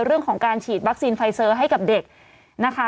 เรื่องของการฉีดวัคซีนไฟเซอร์ให้กับเด็กนะคะ